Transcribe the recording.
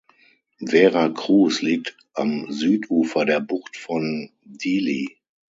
Vera Cruz liegt am Südufer der Bucht von Dili.